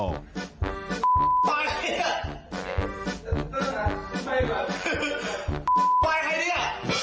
ควายใครเนี่ย